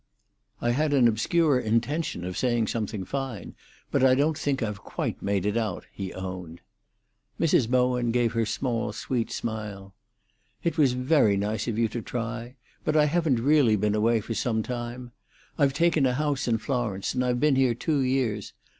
"I had an obscure intention of saying something fine; but I don't think I've quite made it out," he owned. Mrs. Bowen gave her small, sweet smile. "It was very nice of you to try. But I haven't really been away for some time; I've taken a house in Florence, and I've been here two years.